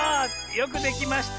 よくできました。